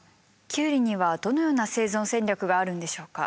キュウリにはどのような生存戦略があるんでしょうか？